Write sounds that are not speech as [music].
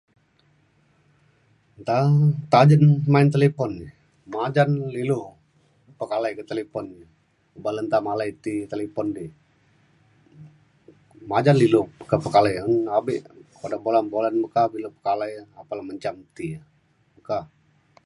Tang tangen main telipon. Majan ilu pekalai ke telipon. [unintelligible] majan malai ti telipon. Majan ilu pekalai abe' [unintelligible] pekalai mejek ti ka.